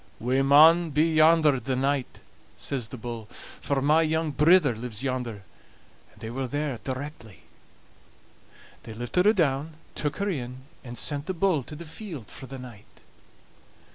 "We maun be yonder the night," says the bull, "for my young brither lives yonder"; and they were there directly. They lifted her down, took her in, and sent the bull to the field for the night.